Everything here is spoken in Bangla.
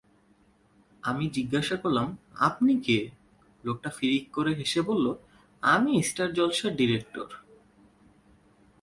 আমি জিজ্ঞাসা করলাম আপনি কে? লোকটা ফিড়িক করে হেসে বলল " আমি স্টার জলসার ডিরেক্টর।